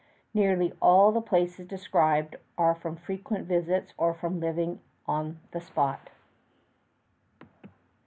Nearly all the places described are from frequent visits or from living on the spot.